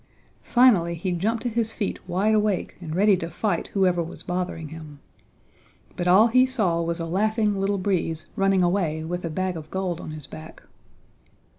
Finally he jumped to his feet wide awake and ready to fight whoever was bothering him. But all he saw was a laughing Little Breeze running away with a bag of gold on his back.